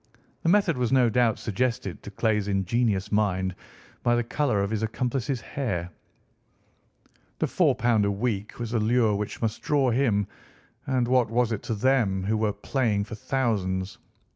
The method was no doubt suggested to Clay's ingenious mind by the colour of his accomplice's hair. The £ 4 a week was a lure which must draw him, and what was it to them, who were playing for thousands?